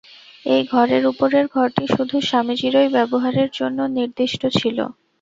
এই ঘরের উপরের ঘরটি শুধু স্বামীজীরই ব্যবহারের জন্য নির্দিষ্ট ছিল।